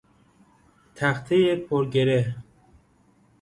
تختهی پرگره